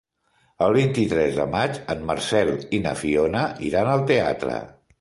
El vint-i-tres de maig en Marcel i na Fiona iran al teatre.